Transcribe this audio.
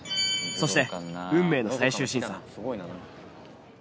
そして運命の最終審査。